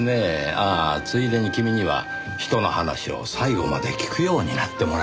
ああついでに君には人の話を最後まで聞くようになってもらいたいですねぇ。